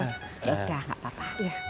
yaudah gak papa